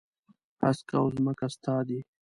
هسک او ځمکه ستا دي.